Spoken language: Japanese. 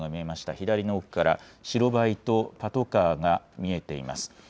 左の奥から白バイとパトカーが見えています。